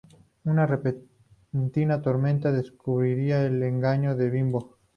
Una repentina tormenta descubrirá el engaño de Bimbo.